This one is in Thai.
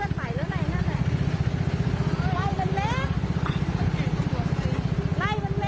ชิบ